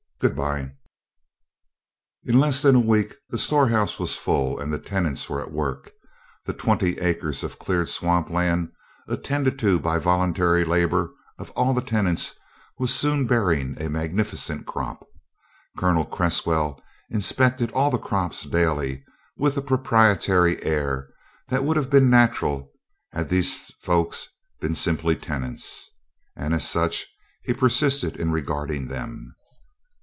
"Good bye." In less than a week the storehouse was full, and tenants were at work. The twenty acres of cleared swamp land, attended to by the voluntary labor of all the tenants, was soon bearing a magnificent crop. Colonel Cresswell inspected all the crops daily with a proprietary air that would have been natural had these folk been simply tenants, and as such he persisted in regarding them.